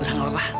udah gak usah